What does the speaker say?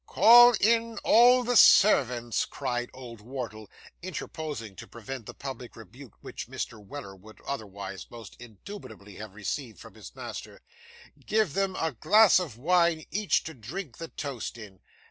'Call in all the servants,' cried old Wardle, interposing to prevent the public rebuke which Mr. Weller would otherwise most indubitably have received from his master. 'Give them a glass of wine each to drink the toast in.